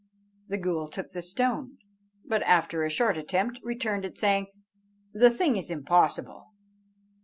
The ghool took the stone, but, after a short attempt, returned it, saying, "The thing is impossible."